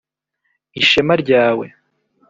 ishema ryawe